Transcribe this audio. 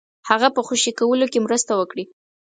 هغه په خوشي کولو کې مرسته وکړي.